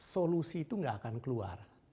solusi itu tidak akan keluar